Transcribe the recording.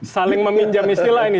saling meminjam istilah ini